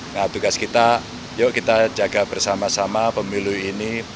nah tugas kita yuk kita jaga bersama sama pemilu ini